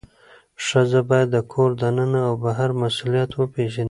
ښځه باید د کور دننه او بهر مسؤلیت وپیژني.